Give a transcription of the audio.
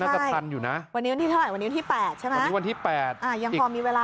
ใช่วันนี้วันที่เท่าไหร่วันนี้วันที่๘ใช่ไหมอ่ายังพอมีเวลา